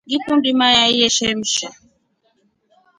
Ngikundi mayai yeshemsha.